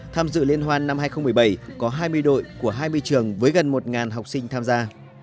tham dự liên hoan năm hai nghìn một mươi bảy có hai mươi đội của hai mươi trường với gần một học sinh tham gia